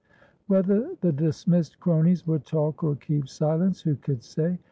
Whether the dismissed cronies would talk or keep silence, who could say?